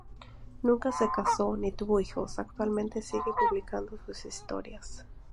Nunca se casó ni tuvo hijos, actualmente sigue publicando sus historias.